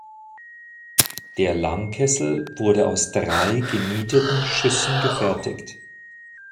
Der Langkessel wurde aus drei genieteten Schüssen gefertigt.